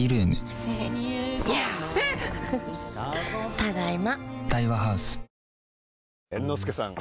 ただいま。